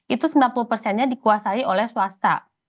itu sembilan puluh persennya dikuasai oleh swasta